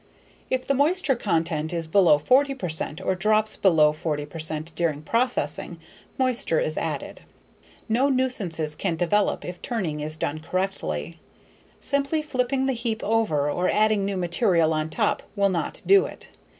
If the moisture content is below 40 percent or drops below 40 percent during processing, moisture is added. No nuisances can develop if turning is done correctly. Simply flipping the heap over or adding new material on top will not do it.